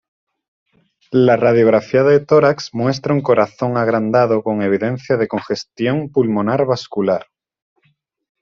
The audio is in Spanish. La radiografía de tórax muestra un corazón agrandado con evidencia de congestión pulmonar vascular.